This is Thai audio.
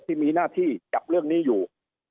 ที่มีหน้าที่จับเรื่องนี้อยู่